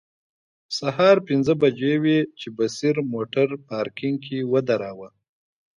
سهار پنځه بجې وې چې بصیر موټر پارکینګ کې ودراوه.